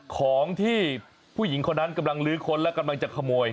ของที่ผู้หญิงคนนั้นกำลังลื้อค้นและกำลังจะขโมย